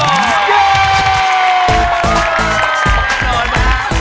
แน่นอนนะครับ